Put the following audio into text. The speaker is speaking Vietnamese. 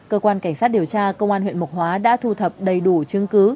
cơ quan cảnh sát điều tra công an huyện mộc hóa đã thu thập đầy đủ chứng cứ